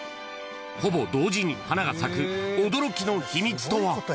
ほぼ同時に花が咲く驚きの秘密とは。